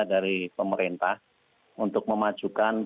dari pemerintah untuk memajukan